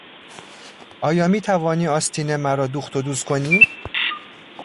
آیا میتوانی آستین مرا دوخت و دوز کنی؟